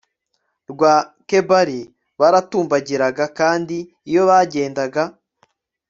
rwa kebari g baratumbagiraga kandi iyo bagendaga